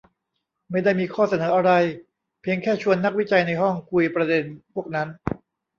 ไม่ได้มีข้อเสนออะไร เพียงแค่ชวนนักวิจัยในห้องคุยประเด็นพวกนั้น